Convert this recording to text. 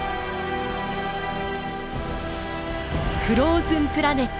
「フローズンプラネット」。